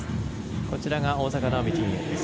こちらが大坂なおみ陣営です。